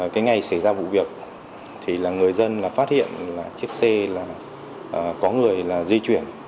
cái ngày xảy ra vụ việc thì người dân đã phát hiện chiếc xe có người di chuyển